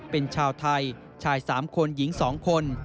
เป็นชาวไทยชาย๓คนหญิง๒คน